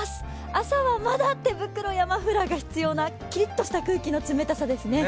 朝はまだ手袋やマフラーが必要なキリッとした空気の冷たさですね。